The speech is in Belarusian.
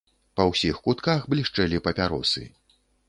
Па ўсіх кутках блішчэлі папяросы.